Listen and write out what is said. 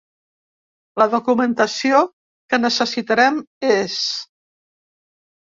La documentació que necessitarem és:.